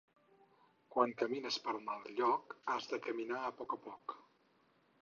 Quan camines per mal lloc, has de caminar a poc a poc.